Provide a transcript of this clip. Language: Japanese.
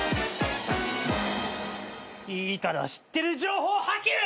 いいから知ってる情報吐け！